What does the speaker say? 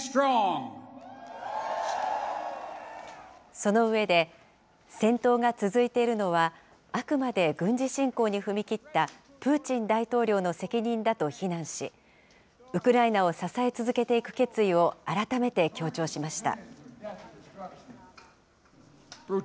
その上で、戦闘が続いているのは、あくまで軍事侵攻に踏み切ったプーチン大統領の責任だと非難し、ウクライナを支え続けていく決意を改めて強調しました。